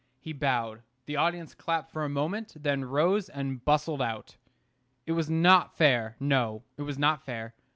He bowed: the audience clapped for a moment, then rose and bustled out. It was not fair; no, it was not fair.